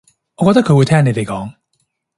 我覺得佢會聽你哋講